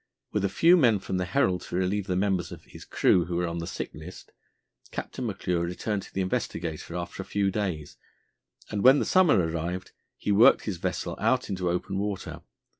With a few men from the Herald to relieve the members of his crew who were on the sick list, Captain McClure returned to the Investigator after a few days, and when the summer arrived he worked his vessel out into open water.